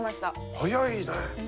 早いね。